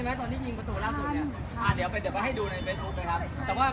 เดี๋ยวจะเล่นปอนแนวพูดโสดิ